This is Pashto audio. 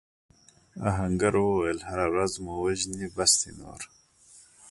آهنګر وویل هره ورځ مو وژني بس دی نور.